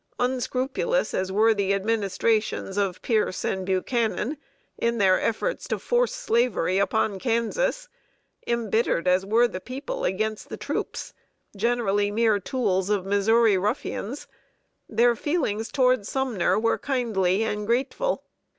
Unscrupulous as were the Administrations of Pierce and Buchanan in their efforts to force Slavery upon Kansas, embittered as were the people against the troops, generally mere tools of Missouri ruffians their feelings toward Sumner were kindly and grateful.